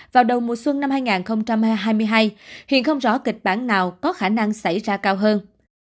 vào đầu mùa xuân năm hai nghìn hai mươi hai hiện không rõ kịch bản nào có khả năng xảy ra cao hơn